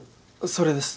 それです。